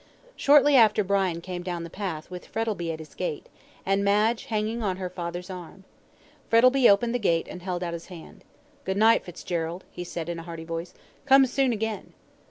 Shortly after Brian came down the path with Frettlby at his side, and Madge hanging on her father's arm. Frettlby opened the gate and held out his hand. "Good night, Fitzgerald," he said, in a hearty voice; "come soon again."